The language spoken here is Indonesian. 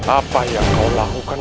apa yang kau lakukan